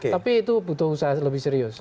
tapi itu butuh usaha lebih serius